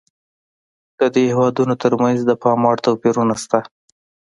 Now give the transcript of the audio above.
د دې هېوادونو ترمنځ د پاموړ توپیرونه شته.